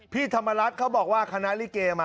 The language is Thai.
พี่ธรรมรัฐเขาบอกว่าคณะลิเกมา